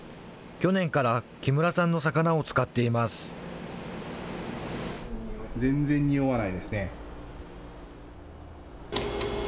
去年から木村さんの魚を使っています。